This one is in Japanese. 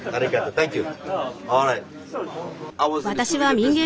サンキュー。